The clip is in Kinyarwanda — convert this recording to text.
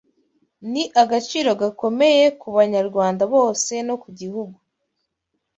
Ni agaciro gakomeye ku Banyarwanda bose no ku gihugu”